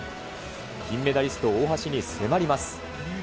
金メダリスト、大橋に迫ります。